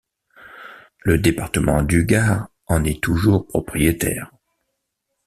Le département du Gard en est toujours propriétaire.